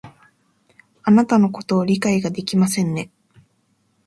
あなたのことを理解ができませんね